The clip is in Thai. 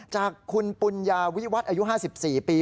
จากคุณปุญญาวิวัฒน์อายุ๕๔ปี